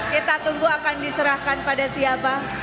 kita tunggu akan diserahkan pada siapa